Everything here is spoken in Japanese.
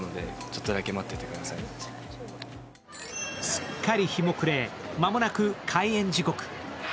すっかり日も暮れ、間もなく開演時刻。